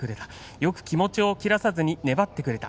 よく気持ちを切らさずに粘ってくれた。